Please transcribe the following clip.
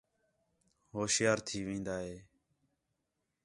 ہوشیار تھی وین٘دا ہِے